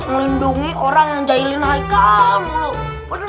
ngelindungi orang yang ngejahilin rikal